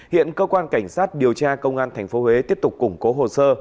hiện cơ quan cảnh sát điều tra công an thành phố huế tiếp tục củng cố hồ sơ